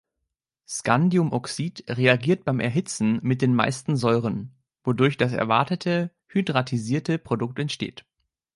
Scandiumoxid reagiert beim Erhitzen mit den meisten Säuren, wodurch das erwartete hydratisierte Produkt entsteht.